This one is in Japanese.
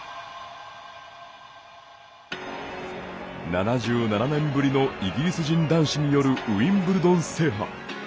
７７年ぶりのイギリス人男子によるウィンブルドン制覇。